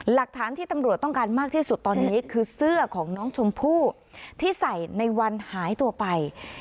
หลักฐานที่ตำรวจต้องการมากที่สุดตอนนี้คือเสื้อของน้องชมพู่ที่ใส่ในวันหายตัวไป